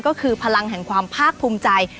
ก็คือพลังแห่งความภาคภูมิใจ